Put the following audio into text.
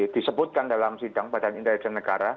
disebutkan dalam sidang badan intra intra negara